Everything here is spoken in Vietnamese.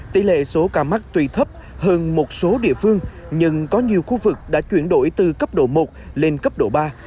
tỷ lệ số ca mắc tùy thấp hơn một số địa phương nhưng có nhiều khu vực đã chuyển đổi từ cấp độ một lên cấp độ ba